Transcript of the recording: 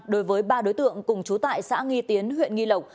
đối với ba đối tượng cùng chú tại xã nghi tiến huyện nghi lộc